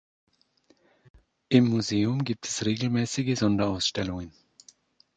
Im Museum gibt es regelmäßige Sonderausstellungen.